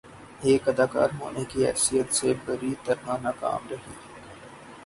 ایک اداکار ہونے کی حیثیت سے بری طرح ناکام رہی